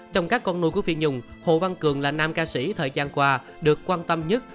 trong các con nuôi của phi nhung hồ văn cường là nam ca sĩ thời gian qua được quan tâm nhất